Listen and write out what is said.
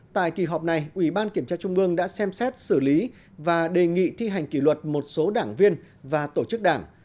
tại kỳ họp này ủy ban kiểm tra trung ương đã xem xét xử lý và đề nghị thi hành kỷ luật một số đảng viên và tổ chức đảng